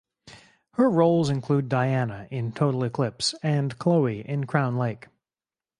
Her roles include Diana in "Total Eclipse" and Chloe in "Crown Lake".